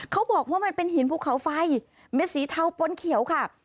เขาบอกว่ามันเป็นหินภูเขาไฟเม็ดสีเทาปนเขียวค่ะ